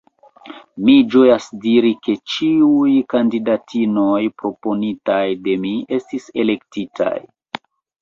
Mi ĝojas diri, ke ĉiuj kandidatinoj proponitaj de mi estis elektitaj.